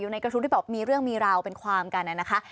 อยู่ในกระทุกที่มีเรื่องมีราวเป็นความกันน่ะนะคะ